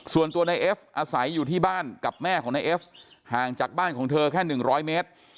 ส่วนตัวนายเอฟอาศัยอยู่ที่บ้านกับแม่ของนายเอฟห่างจากบ้านของเธอแค่๑๐๐เมตร